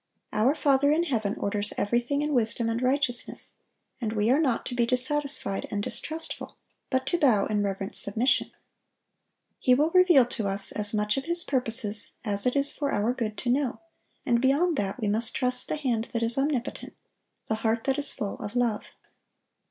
Our Father in heaven orders everything in wisdom and righteousness, and we are not to be dissatisfied and distrustful, but to bow in reverent submission. He will reveal to us as much of His purposes as it is for our good to know, and beyond that we must trust the Hand that is omnipotent, the Heart that is full of love.